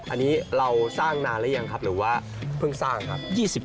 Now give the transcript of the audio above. อันนี้เราสร้างนานหรือยังครับหรือว่าเพิ่งสร้างครับ